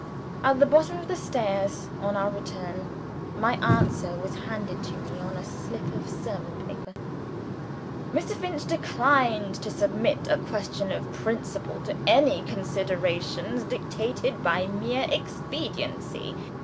At the bottom of the stairs (on our return), my answer was handed to me on a slip of sermon paper. "Mr. Finch declined to submit a question of principle to any considerations dictated by mere expediency.